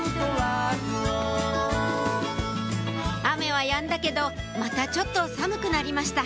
雨はやんだけどまたちょっと寒くなりました